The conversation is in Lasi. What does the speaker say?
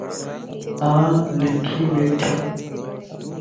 آن لکي ٻيٺي